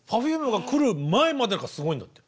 Ｐｅｒｆｕｍｅが来る前までがすごいんだって。